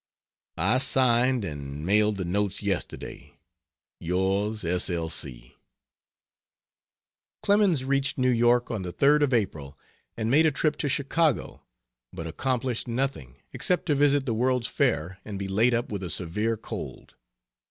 I signed and mailed the notes yesterday. Yours S. L. C. Clemens reached New York on the 3d of April and made a trip to Chicago, but accomplished nothing, except to visit the World's Fair and be laid up with a severe cold.